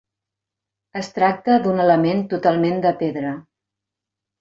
Es tracta d'un element totalment de pedra.